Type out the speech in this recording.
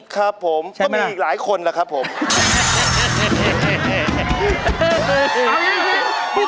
ครับผมไม่มีอีกหลายคนแล้วครับผมใช่ไหม